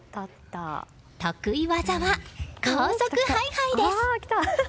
得意技は高速ハイハイです。